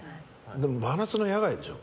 真夏の野外でしょ？